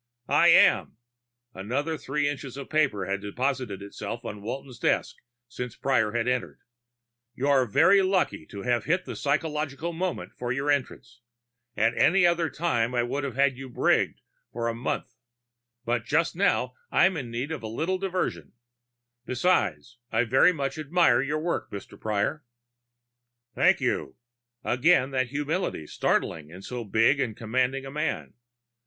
"I am." Another three inches of paper had deposited itself on Walton's desk since Prior had entered. "You're very lucky to have hit the psychological moment for your entrance. At any other time I'd have had you brigged for a month, but just now I'm in need of a little diversion. Besides, I very much admire your work, Mr. Prior." "Thank you." Again that humility, startling in so big and commanding a man.